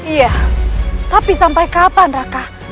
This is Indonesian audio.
iya tapi sampai kapan raka